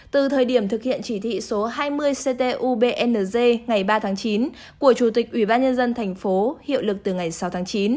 từ thời điểm thực hiện chỉ thị số hai mươi ctubngz ngày ba tháng chín của chủ tịch ủy ban nhân dân thành phố hiệu lực từ ngày sáu tháng chín